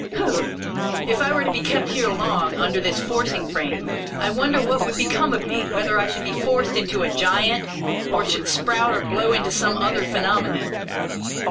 Whew ! If I were to be kept here long, under this forcing frame, I wonder what would become of me — whether I should be forced into a giant, or should sprout or blow into some other phenomenon